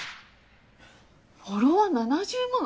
フォロワー７０万